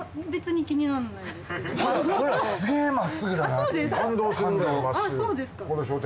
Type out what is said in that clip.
そうですか。